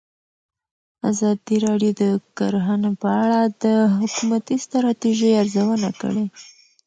ازادي راډیو د کرهنه په اړه د حکومتي ستراتیژۍ ارزونه کړې.